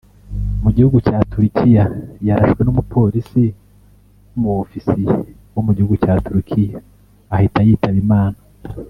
Mu gihugu cya Turukiya yarashwe n'umupolisi w'Umu-ofisiye wo mu gihugu cya Turukiya ahita yitaba Imana